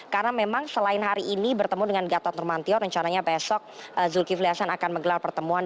karena memang selain hari ini bertemu dengan gatot nurmantia rencananya besok zulkifli hasan akan menggelar pertemuan